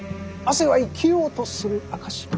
汗は生きようとする証し。